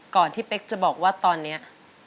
ก่อนที่เปคจะบอกว่าตอนเนี้ย